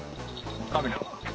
神野。